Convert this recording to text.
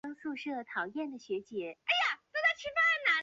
节目总监制是当时的央视体育部主任马国力。